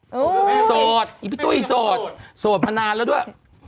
โอ้โฮโสดพี่ตุ๊ยโสดโสดมานานแล้วด้วย